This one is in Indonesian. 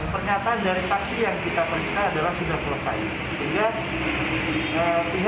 pernyataan dari saksi yang kita periksa adalah sudah selesai